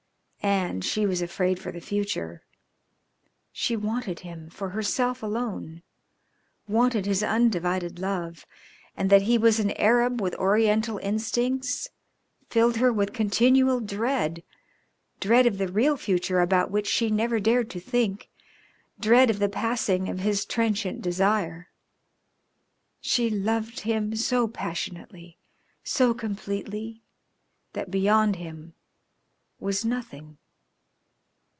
And she was afraid for the future. She wanted him for herself alone, wanted his undivided love, and that he was an Arab with Oriental instincts filled her with continual dread, dread of the real future about which she never dared to think, dread of the passing of his transient desire. She loved him so passionately, so completely, that beyond him was nothing.